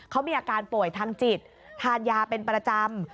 เขามีอาการป่วยทางจิตทานยาเป็นประจำ